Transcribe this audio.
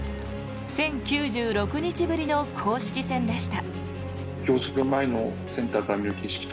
１０９６日ぶりの公式戦でした。